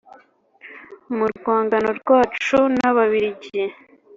mu rwangano rwacu n’ababiligi